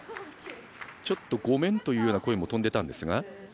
ちょっとごめんという声も飛んでいたんですが。